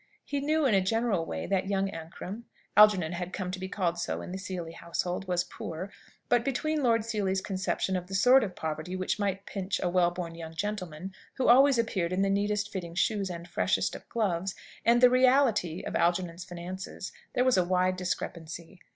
He knew in a general way that young Ancram (Algernon had come to be called so in the Seely household) was poor; but between Lord Seely's conception of the sort of poverty which might pinch a well born young gentleman, who always appeared in the neatest fitting shoes and freshest of gloves, and the reality of Algernon's finances, there was a wide discrepancy.